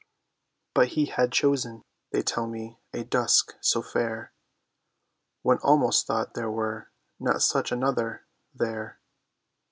But he had chosen, they tell me, a dusk so fair One almost thought there were not such another—there.